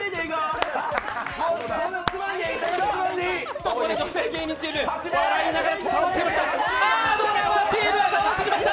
ここで女性芸人チーム笑いながら倒してしまった。